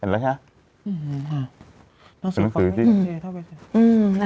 เห็นแล้วใช่มั้ย